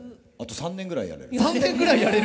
３年ぐらいやれる？